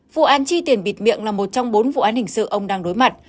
vụ án chi tiền bịt miệng là một trong bốn vụ án hình sự ông đang đối mặt